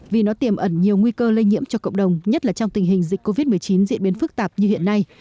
vì nó tiềm ẩn nhiều nguy cơ lây nhiễm cho cộng đồng nhất là trong tình hình dịch covid một mươi chín diễn biến phức tạp như hiện nay